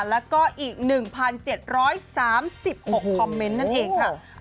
แล้วก็อีก๑๗๓๖คอมเมนต์นั่นเองค่ะ